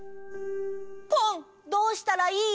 ポンどうしたらいい？